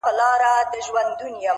وخت د حقیقت تر ټولو وفادار شاهد دی،